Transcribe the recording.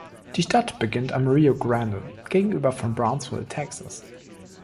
Die Stadt liegt am Rio Grande gegenüber von Brownsville, Texas.